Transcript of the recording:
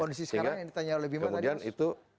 kondisi sekarang yang ditanya oleh bima tadi